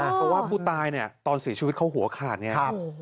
เพราะว่าผู้ตายตอนเสียชีวิตเขาหัวขาดอย่างนี้